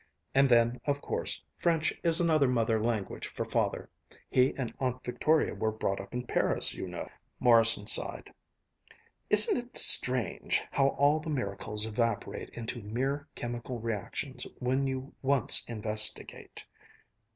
And then, of course, French is another mother language for Father. He and Aunt Victoria were brought up in Paris, you know." Morrison sighed. "Isn't it strange how all the miracles evaporate into mere chemical reactions when you once investigate!